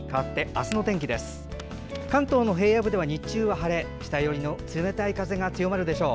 明日は関東の平野部では日中は晴れますが北寄りの冷たい風が強まるでしょう。